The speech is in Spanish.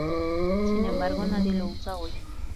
Sin embargo, nadie los usa hoy.